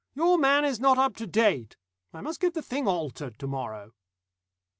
Your man is not up to date. I must get the thing altered to morrow."